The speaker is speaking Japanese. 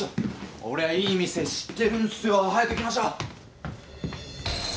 俺いい店知ってるんすよ早く行きましょう。